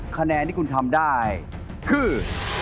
คะแนนที่คุณทำได้คือ